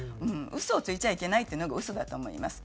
ウソをついちゃいけないっていうのがウソだと思います。